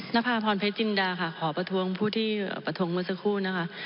นภาพรเพชรจินดาค่ะขอประท้วงผู้ที่ประท้วงเมื่อสักครู่นะคะ